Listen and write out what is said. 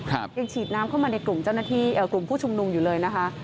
ยังฉีดน้ำเข้ามาในกลุ่มผู้ชมนุมอยู่เลยนะคะ